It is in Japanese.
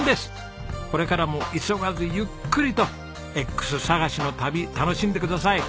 これからも急がずゆっくりとＸ探しの旅楽しんでください。